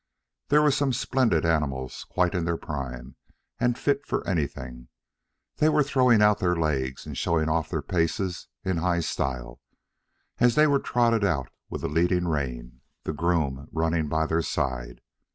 There were some splendid animals quite in their prime, and fit for anything, they were throwing out their legs and showing off their paces in high style, as they were trotted out with a leading rein, the groom running by the side.